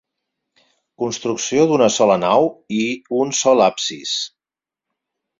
Construcció d'una sola nau i un sol absis.